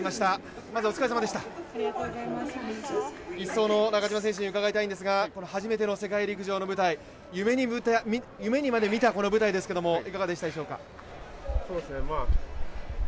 １走の中島選手に伺いたいんですが、初めての世界陸上のこの舞台夢にまでに見たこの舞台でしたけどいかがでしたでしょうか。